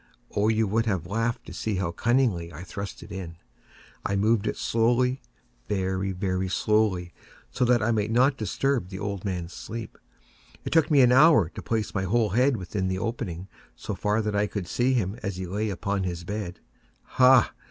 Oh, you would have laughed to see how cunningly I thrust it in! I moved it slowly—very, very slowly, so that I might not disturb the old man's sleep. It took me an hour to place my whole head within the opening so far that I could see him as he lay upon his bed. Ha!